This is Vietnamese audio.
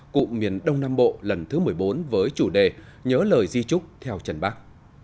cụ miền đông nam bộ lần thứ một mươi bốn với chủ đề nhớ lời di trúc theo trần bác